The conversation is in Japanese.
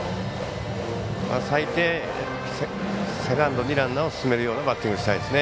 最低、セカンドにランナーを進めるようなバッティングしたいですね。